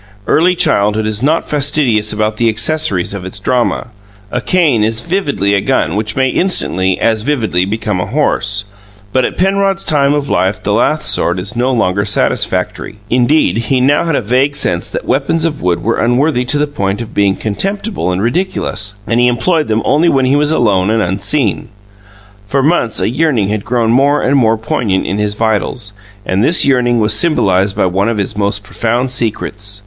Early childhood is not fastidious about the accessories of its drama a cane is vividly a gun which may instantly, as vividly, become a horse; but at Penrod's time of life the lath sword is no longer satisfactory. Indeed, he now had a vague sense that weapons of wood were unworthy to the point of being contemptible and ridiculous, and he employed them only when he was alone and unseen. For months a yearning had grown more and more poignant in his vitals, and this yearning was symbolized by one of his most profound secrets.